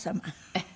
ええ。